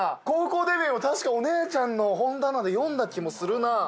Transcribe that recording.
高校デビューも確かお姉ちゃんの本棚で読んだ気もするな。